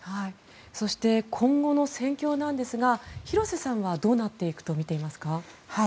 そして今後の戦況ですが廣瀬さんはどうなっていくと見ていますか？